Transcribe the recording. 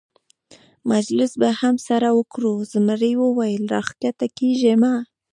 مجلس به هم سره وکړو، زمري وویل: را کښته کېږه مه.